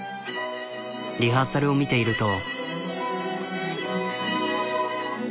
リハーサルを見ていると。